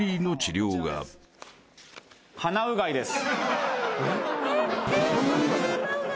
鼻うがいです。